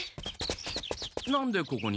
何でここに？